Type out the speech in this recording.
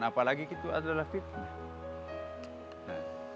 apalagi itu adalah fitnah